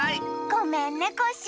ごめんねコッシー。